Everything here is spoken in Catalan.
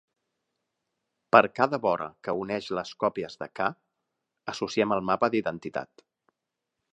Per a cada vora que uneix les còpies de "k", associem el mapa d'identitat.